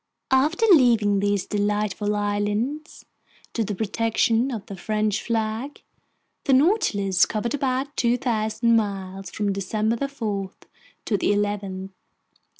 After leaving these delightful islands to the protection of the French flag, the Nautilus covered about 2,000 miles from December 4 to the 11th.